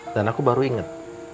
dan aku baru inget